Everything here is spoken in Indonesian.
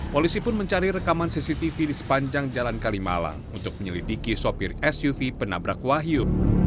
polisi pun mencari rekaman cctv di sepanjang jalan kalimalang untuk menyelidiki sopir suv penabrak wahyu